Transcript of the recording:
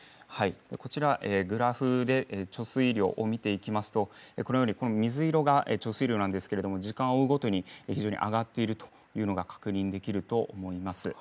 グラフで貯水量を見ていきますと水色が貯水量なんですけども時間を追うごとに非常に上がっているのが確認できると思います。